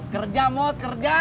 kerja mut kerja